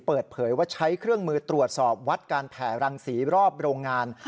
เปิดเผยว่าใช้เครื่องมือตรวจสอบวัดการแผ่รังสีรอบโรงงาน